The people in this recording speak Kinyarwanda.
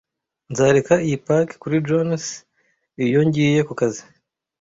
Nzareka iyi pack kuri Jones 'iyo ngiye kukazi